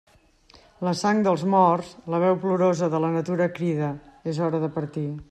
La sang dels morts, la veu plorosa de la natura crida: és hora de partir.